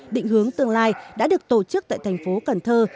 định hướng tương lai đã được tổ chức tại thành phố cần thơ